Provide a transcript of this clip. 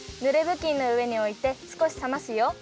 ぶきんのうえにおいてすこしさますよ。